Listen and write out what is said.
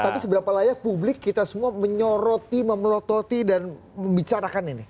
tapi seberapa layak publik kita semua menyoroti memelototi dan membicarakan ini